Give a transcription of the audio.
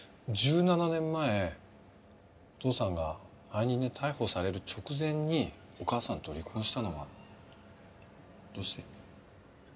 １７年前お父さんが背任で逮捕される直前にお母さんと離婚したのはどうして？